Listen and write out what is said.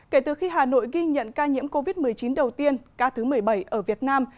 kể từ khi hà nội ghi nhận ca nhiễm covid một mươi chín đầu tiên ca thứ một mươi bảy ở việt nam